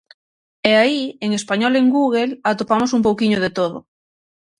E aí, en español en Google, atopamos un pouquiño de todo.